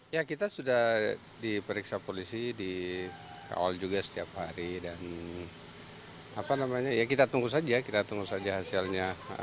ya kita sudah diperiksa polisi di kol juga setiap hari dan kita tunggu saja hasilnya